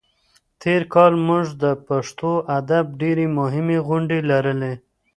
تېر کال موږ د پښتو ادب ډېرې مهمې غونډې لرلې.